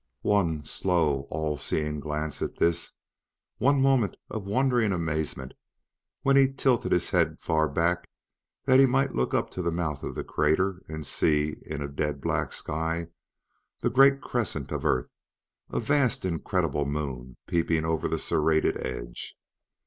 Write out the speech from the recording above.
One slow, all seeing glance at this! one moment of wondering amazement when he tilted his head far back that he might look up to the mouth of the crater and see, in a dead black sky, the great crescent of earth a vast, incredible moon peeping over the serrate edge.